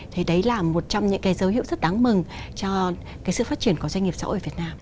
thế đấy là một trong những cái dấu hiệu rất đáng mừng cho cái sự phát triển của doanh nghiệp xã hội việt nam